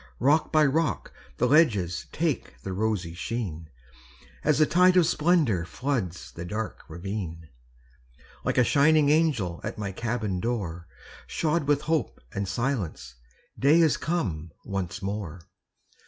Rock by rock the ledges Take the rosy sheen, As the tide of splendor Floods the dark ravine. Like a shining angel At my cabin door, Shod with hope and silence, Day is come once more.